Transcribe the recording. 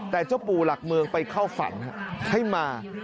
แต่เจ้าปู่หลักเมืองไปเข้าฝันให้มา